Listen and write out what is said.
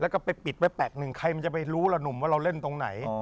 แล้วก็ไปปิดไว้แปลกหนึ่งใครมันจะไปรู้ล่ะหนุ่มว่าเราเล่นตรงไหน